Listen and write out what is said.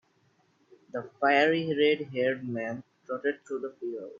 The fiery red-haired man trotted through the field.